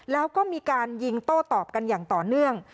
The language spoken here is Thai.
แล้วก็มีการยิงโต้ตอบกันอย่างต่อเนื่อง